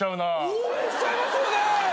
応援しちゃいますよね。